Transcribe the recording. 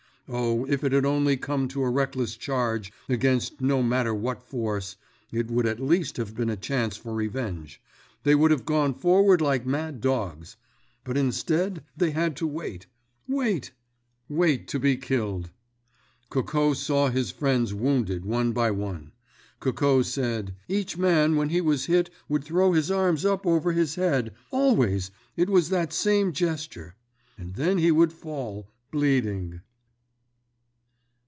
Oh, if it had only come to a reckless charge against no matter what force, it would at least have been a chance for revenge; they would have gone forward like mad dogs. But instead, they had to wait—wait—wait to be killed! Coco saw his friends wounded one by one. Coco said: "Each man when he was hit would throw his arms up over his head—always, it was that same gesture—and then he would fall, bleeding."